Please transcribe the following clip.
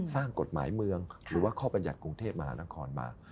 สร้างกฎหมายเมืองหรือว่าข้อบรรยัติกรุงเทพมหานครมา